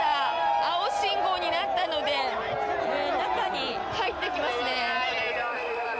青信号になったので中に入っていきますね。